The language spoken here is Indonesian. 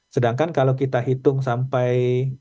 sedangkan kalau kita hitung sampai